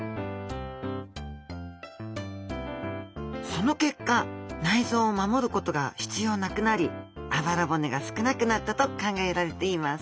その結果内臓を守ることが必要なくなりあばら骨が少なくなったと考えられています